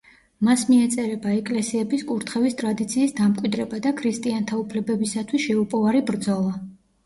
მას მიეწერება ეკლესიების კურთხევის ტრადიციის დამკვიდრება და ქრისტიანთა უფლებებისათვის შეუპოვარი ბრძოლა.